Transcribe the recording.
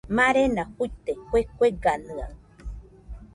Marena fuite kue kueganɨaɨ